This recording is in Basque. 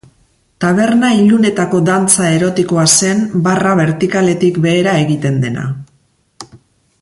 Taberna ilunetako dantza erotikoa zen barra bertikaletik behera egiten dena.